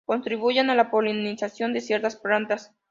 Contribuyen a la polinización de ciertas plantas.